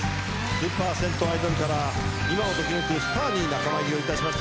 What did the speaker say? スーパー銭湯アイドルから今をときめくスターに仲間入りをいたしました